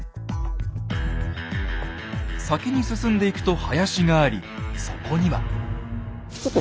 先に進んでいくと林がありそこには。